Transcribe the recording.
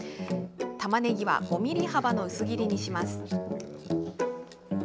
たまねぎは５ｍｍ幅の薄切りにします。